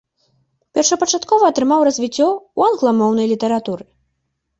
Першапачаткова атрымаў развіццё ў англамоўнай літаратуры.